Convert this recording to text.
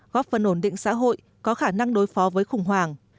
góp phần ổn định xã hội có khả năng đối phó với khủng hoảng